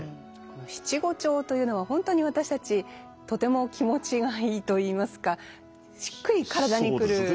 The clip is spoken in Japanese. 七五調というのは本当に私たちとても気持ちがいいといいますかしっくり体にくるリズムなんですね。